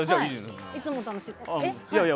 いつも楽しい。